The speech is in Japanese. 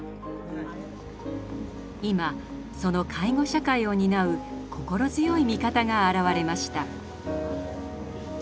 今その介護社会を担う心強い味方が現れました。